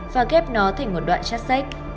và ghép nó thành một đoạn chát sách